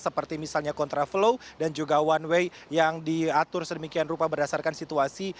seperti misalnya kontra flow dan juga one way yang diatur sedemikian rupa berdasarkan situasi